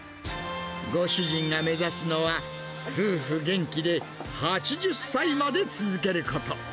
ご主人が目指すのは、夫婦元気で８０歳まで続けること。